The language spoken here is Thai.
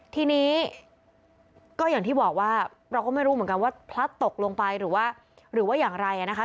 ทีนี้ก็อย่างที่บอกว่าเราก็ไม่รู้เหมือนกันว่าพลัดตกลงไปหรือว่าหรือว่าอย่างไรนะคะ